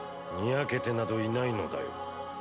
ニヤけてなどいないのだよ